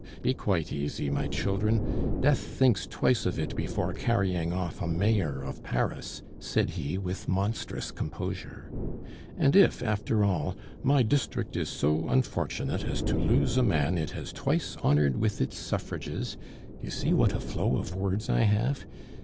"Be quite easy, my children; Death thinks twice of it before carrying off a Mayor of Paris," said he, with monstrous composure. "And if, after all, my district is so unfortunate as to lose a man it has twice honored with its suffrages you see, what a flow of words I have!